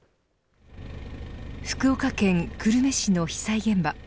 福岡県久留米市の被災現場。